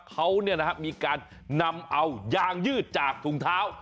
เขามีการนำเอายางยืดจากถุงเท้า